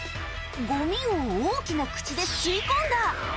ごみを大きな口で吸い込んだ。